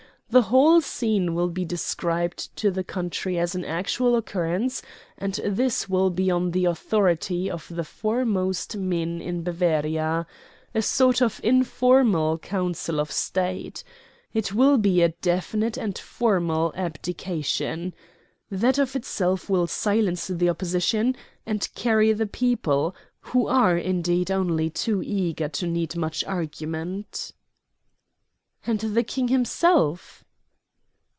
The whole scene will be described to the country as an actual occurrence; and this will be on the authority of the foremost men in Bavaria a sort of informal Council of State. It will be a definite and formal abdication. That of itself will silence opposition and carry the people, who are, indeed, only too eager to need much argument." "And the King himself?"